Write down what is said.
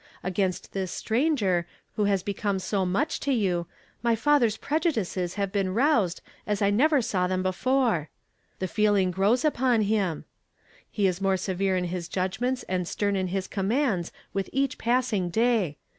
Against this stranger, who has become so much to ifiil II m 170 YESTERDAY FRAMED IN TO DAY. you, my father's prejudices have been roused as I never saw them before. The feeling grows upon him. He is more severe in his judgments and stern in his commands with each passing day.